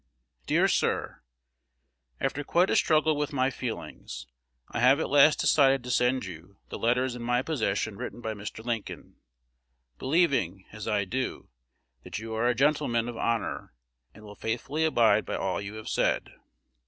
Dear Sir, After quite a struggle with my feelings, I have at last decided to send you the letters in my possession written by Mr. Lincoln, believing, as I do, that you are a gentleman of honor, and will faithfully abide by all you have said.